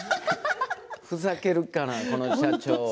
ふざけるから、この社長は。